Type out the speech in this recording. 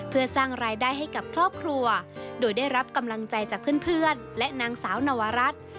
เพื่อสร้างรายได้ให้กับครอบครัวโดยได้รับกำลังใจจากเพื่อนและนางสาวนวรัฐ